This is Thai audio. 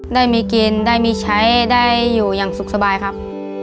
ได้มีกินได้มีใช้ได้อยู่อย่างสุขสบายครับ